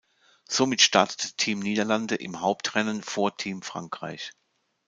Somit startete Team Niederlande im Hauptrennen vor Team Frankreich.